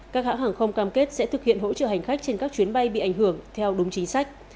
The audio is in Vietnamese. các hãng hàng không cam kết sẽ thực hiện hỗ trợ hành khách trên các chuyến bay bị ảnh hưởng theo đúng chính sách